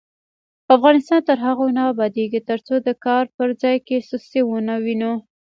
افغانستان تر هغو نه ابادیږي، ترڅو د کار په ځای کې سستي ونه وینو.